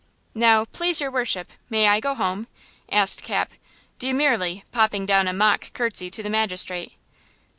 "Now, please your worship, may I go home?" asked Cap, demurely, popping down a mock courtesy to the magistrate.